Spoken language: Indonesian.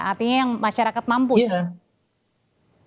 artinya yang masyarakat mampu ya